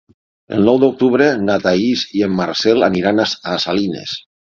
El nou d'octubre na Thaís i en Marcel aniran a Salines.